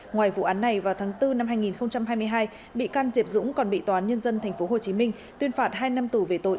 ngoài vụ án này vào tháng bốn năm hai nghìn hai mươi hai bị can diệp dũng còn bị tòa án nhân dân tp hcm tuyên phạt hai năm tù về tội